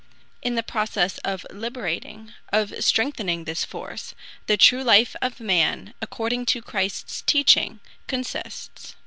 In the process of liberating, of strengthening this force, the true life of man, according to Christ's teaching, consists.